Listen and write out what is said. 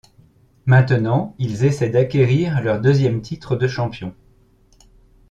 Maintenant, ils essaient d’acquérir leur deuxième titre de champion.